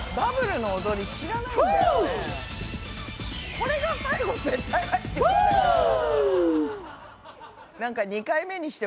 これが最後絶対入ってくる。